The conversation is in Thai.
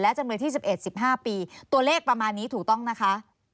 จำเลยที่๑๑๑๕ปีตัวเลขประมาณนี้ถูกต้องนะคะ